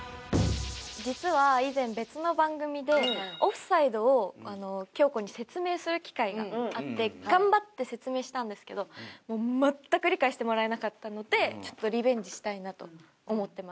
実は以前別の番組でオフサイドを京子に説明する機会があって頑張って説明したんですけどもう全く理解してもらえなかったのでちょっとリベンジしたいなと思ってます。